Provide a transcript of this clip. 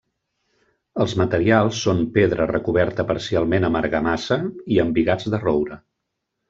Els materials són: pedra recoberta parcialment amb argamassa i embigats de roure.